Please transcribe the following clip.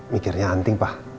mikirnya andin pak